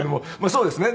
そうですね。